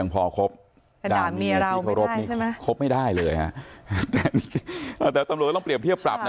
เงินโบริษฎ